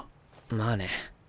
まあね。